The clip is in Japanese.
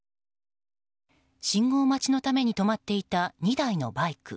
信号待ちのために止まっていた２台のバイク。